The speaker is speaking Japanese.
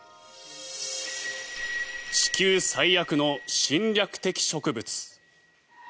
地球最悪の侵略的植物。